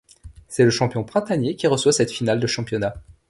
C'est le champion printanier qui reçoit cette finale de championnat.